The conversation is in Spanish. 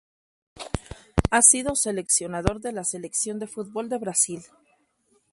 Ha sido seleccionador de la Selección de fútbol de Brasil.